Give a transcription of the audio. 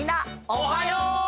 おはよう！